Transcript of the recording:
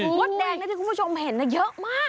มดแดงและที่คุณผู้ชมเห็นเยอะมาก